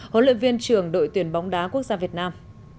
huấn luyện viên trưởng đội tuyển bóng đá quốc gia việt nam